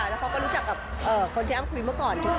แล้วเขาก็รู้จักกับคนที่อ้ำคุยเมื่อก่อน